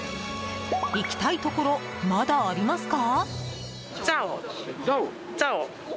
行きたいところまだありますか？